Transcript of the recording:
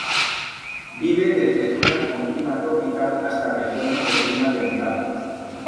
Vive desde zonas con clima tropical hasta regiones de clima templado.